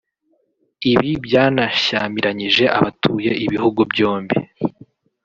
Ibi byanashyamiranyije abatuye ibihugu byombi